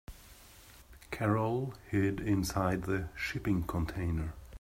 Carol hid inside the shipping container.